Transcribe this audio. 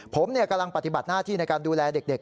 ผมกำลังปฏิบัติหน้าที่ในการดูแลเด็ก